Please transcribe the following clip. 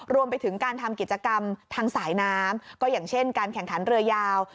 รวมไปถึงการทำกิจกรรมทางสายน้ำก็อย่างเช่นการแข่งขันเรือยาว